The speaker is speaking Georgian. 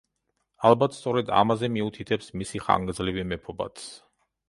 ალბათ სწორედ ამაზე მიუთითებს მისი ხანგრძლივი მეფობაც.